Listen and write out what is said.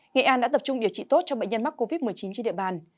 nghệ an đã tập trung điều trị tốt cho bệnh nhân mắc covid một mươi chín trên địa bàn